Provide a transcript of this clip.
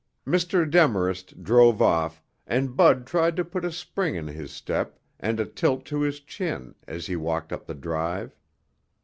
Mr. Demarest drove off and Bud tried to put a spring in his step and a tilt to his chin as he walked up the drive.